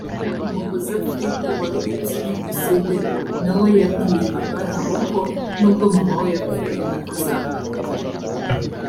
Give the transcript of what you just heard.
umuhoza frida warokotse jenoside na we yabwiye abari aho ko n’ubwo mama we yapfuye atazamwibagirwa